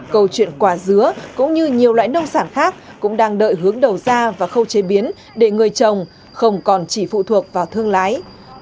câu chuyện quả dứa cũng như nhiều loại nông sản khác cũng đang đợi hướng đầu ra và khâu chế biến để người trồng không còn chỉ phụ thuộc vào thương lái